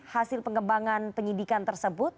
hasil pengembangan penyidikan tersebut